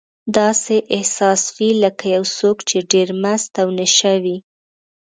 داسې احساس وي لکه یو څوک چې ډېر مست او نشه وي.